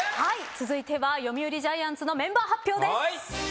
続いては読売ジャイアンツのメンバー発表です。